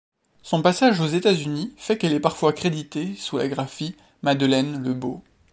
Son passage aux États-Unis fait qu'elle est parfois créditée sous la graphie Madeleine LeBeau.